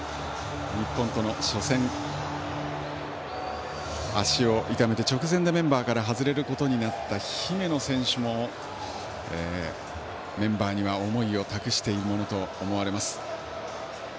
日本との初戦足を痛めて、直前でメンバーから外れることになった姫野選手もメンバーには思いを託しているものと思われます。